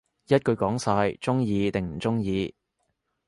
一句講晒，鍾意定唔鍾意